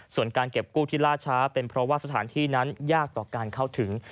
ส่วนการเก็บกู้ที่ล่าช้าเป็นเพราะว่าสถานที่นั้นยากต่อการเข้าถึง